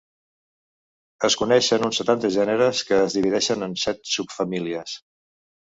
Es coneixen uns setanta gèneres, que es divideixen en set subfamílies.